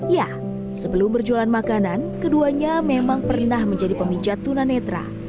ya sebelum berjualan makanan keduanya memang pernah menjadi pemijat tunanetra